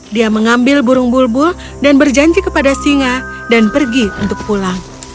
dia mengambil burung bulbul dan berjanji kepada singa dan pergi untuk pulang